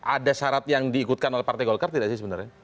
ada syarat yang diikutkan oleh partai golkar tidak sih sebenarnya